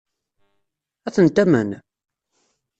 Ad tent-tamen?